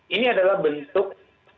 ini adalah bentuk